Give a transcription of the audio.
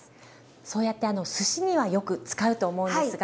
そうやってすしにはよく使うと思うんですが。